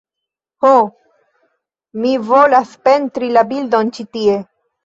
"Oh, mi volas pentri la bildon ĉi tie"